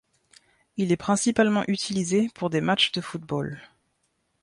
Il est principalement utilisé pour des matchs de football.